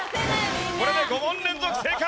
これで５問連続正解！